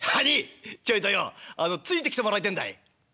ちょいとようついてきてもらいてえんだい」。